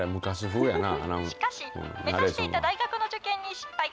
しかし、目指していた大学の受験に失敗。